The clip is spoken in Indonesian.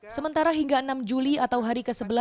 sementara hingga enam juli atau hari ke sebelas